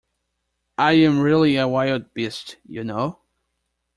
I am really a wild beast, you know.